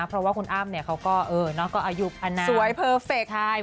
เพราะว่าคุณอ้ามเนี่ยเขาก็เออกาสสวยเพอเฟกต์